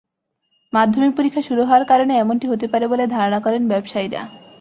মাধ্যমিক পরীক্ষা শুরু হওয়ার কারণে এমনটি হতে পারে বলে ধারণা করেন ব্যবসায়ীরা।